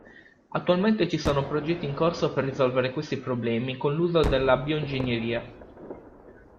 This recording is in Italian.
Attualmente ci sono progetti in corso per risolvere questi problemi con l'uso della bioingegneria.